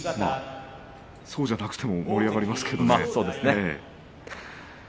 そうじゃなくても盛り上がりますけどね。